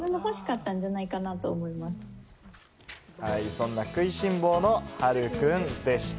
そんな食いしん坊のはるくんでした。